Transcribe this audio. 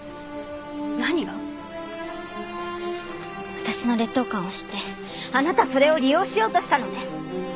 私の劣等感を知ってあなたそれを利用しようとしたのね。